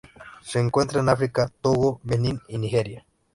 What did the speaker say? Se encuentran en África: Togo, Benín y Nigeria.